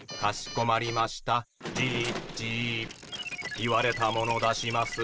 言われたもの出します。